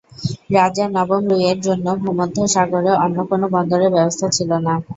রাজা নবম লুইয়ের জন্য ভূমধ্যসাগরে অন্য কোন বন্দরের ব্যবস্থা ছিল না।